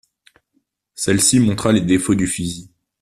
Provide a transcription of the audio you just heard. Celle-ci montra les défauts du fusil.